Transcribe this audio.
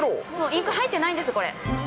インク入ってないんです、これ。